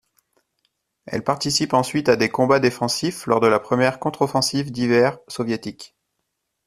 Elle participe ensuite à des combats défensifs lors de la première contre-offensive d'hiver soviétique.